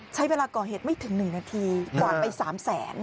ใช้เวลาก่อเหตุไม่ถึง๑นาทีกวาดไป๓แสน